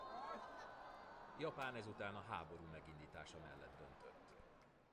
Japán ezután a háború megindítása mellett döntött.